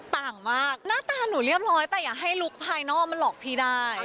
ต่างมากหน้าตาหนูเรียบร้อยแต่อย่าให้ลุคภายนอกมันหลอกพี่ได้